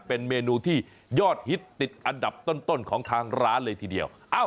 เป็นเมนูที่ยอดฮิตติดอันดับต้นของทางร้านเลยทีเดียว